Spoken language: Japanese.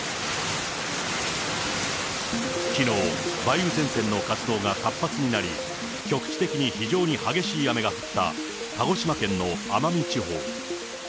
きのう、梅雨前線の活動が活発になり、局地的に非常に激しい雨が降った、鹿児島県の奄美地方。